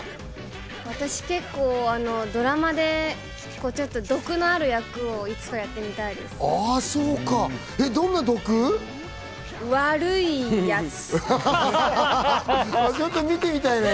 私、結構ドラマで毒のある役をいつかやってみたいです。